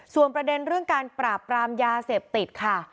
ส่วนประเด็นเรื่องการปราบปรามยาเสพติดค่ะ